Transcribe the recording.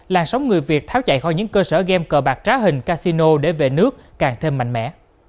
làn sóng người việt tháo chạy khỏi những cơ sở game cờ bạc trá hình casino để về nước càng thêm mạnh mẽ